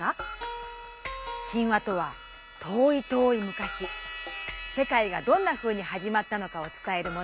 神話とは遠い遠いむかしせかいがどんなふうにはじまったのかをつたえるもの